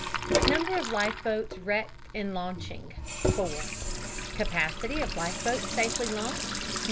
Number of life boats wrecked in launching, 4. Capacity of life boats safely launched, 928.